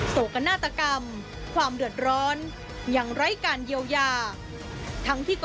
โศกนาฏกรรมความเดือดร้อนอย่างไร้การเยียวยา